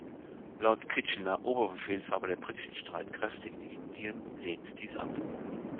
Lord Kitchener, Oberbefehlshaber der britischen Streitkräfte in Indien lehnte dies ab.